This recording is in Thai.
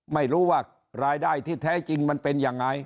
ไม่รู้ว่ารายได้ที่แท้จริงมันเป็นยังไง